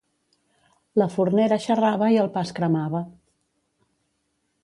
La fornera xerrava i el pa es cremava.